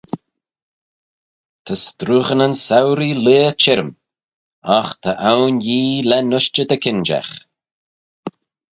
Ta struanyn souree leah çhirrym, agh ta awin Yee lane ushtey dy kinjagh.